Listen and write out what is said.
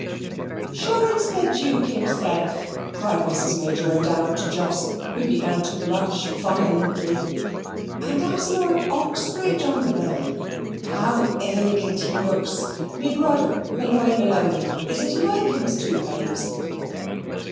"Sure it's the Juke himself," cried Mrs. Major O'Dowd to Jos, who began to blush violently; "and that's Lord Uxbridge on the bay. How elegant he looks! Me brother, Molloy Malony, is as like him as two pays."